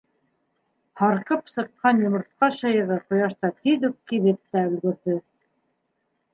Һарҡып сыҡҡан йомортҡа шыйығы ҡояшта тиҙ үк кибеп тә өлгөрҙө.